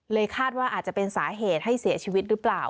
คาดว่าอาจจะเป็นสาเหตุให้เสียชีวิตหรือเปล่า